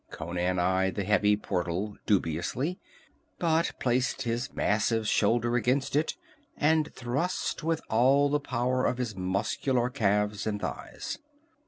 Conan eyed the heavy portal dubiously, but placed his massive shoulder against it and thrust with all the power of his muscular calves and thighs.